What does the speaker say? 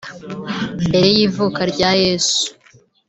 Mbere y’ivuka arya Yezu